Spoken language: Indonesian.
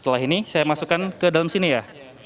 setelah ini saya masukkan ke dalam sini ya